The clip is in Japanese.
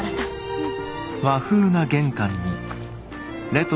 うん。